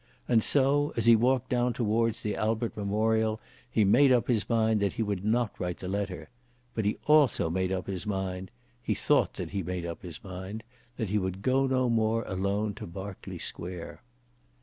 And so, as he walked down towards the Albert Memorial, he made up his mind that he would not write the letter. But he also made up his mind, he thought that he made up his mind, that he would go no more alone to Berkeley Square.